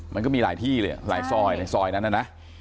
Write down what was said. มันก็มีหลายที่เลยหลายซอยในซอยนั้นน่ะนะ